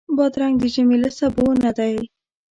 بادرنګ د ژمي له سبو نه دی.